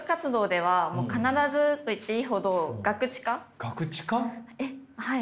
はい。